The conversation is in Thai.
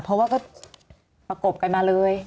เพราะว่าก็ประกบกันมาเลย